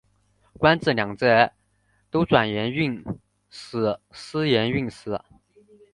官至两浙都转盐运使司盐运使。